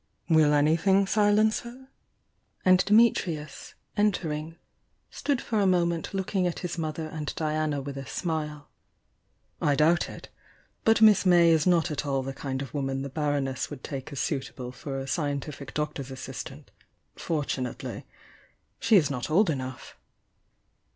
"Will anything silence her?" and Dimitrius, enter ing, stood for a moment looking at his mother and Diana with a smile. "I doubt it! But Miss May is not at all the kind of woman the Baroness would take as suitable for a scientific doctor's assistant, — fortunately. She is not old enough."